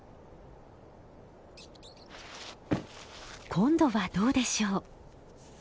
今度はどうでしょう？